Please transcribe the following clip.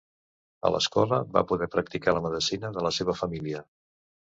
A l'escola va poder practicar la medicina de la seva família.